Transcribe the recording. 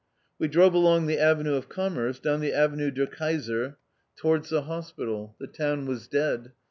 We drove along the Avenue de Commerce, down the Avenue de Kaiser, towards the hospital. The town was dead.